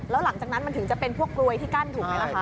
แล้วหลังจากนั้นมันถึงจะเป็นพวกกลวยที่กั้นถูกไหมล่ะคะ